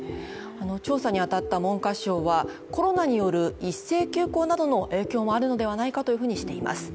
調査に当たった文科省はコロナによる一斉休校などの影響もあるのではないかとしています。